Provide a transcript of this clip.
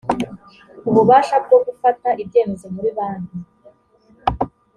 ububasha bwo fufata ibyemezo muri banki